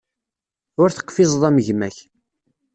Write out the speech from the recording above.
Ur teqfizeḍ am gma-k.